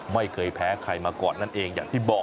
ไม่เคยแพ้ใครมาก่อนนั่นเองอย่างที่บอก